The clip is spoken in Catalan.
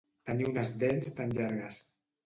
Tenir unes dents tan llargues.